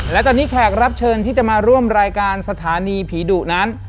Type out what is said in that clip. และตอนนี้แขกรับเชิญที่จะมาร่วมรายการสถานีผีดุนั้น